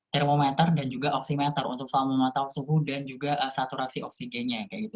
termometer dan juga oksimeter untuk selalu memantau suhu dan juga saturasi oksigennya